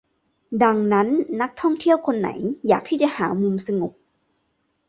ดังนั้นนักท่องเที่ยวคนไหนอยากที่จะหามุมสงบ